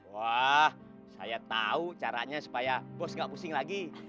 wah saya tahu caranya supaya bos gak pusing lagi